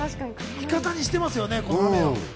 味方にしていますよね。